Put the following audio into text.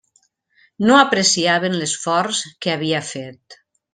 No apreciaven l'esforç que havia fet.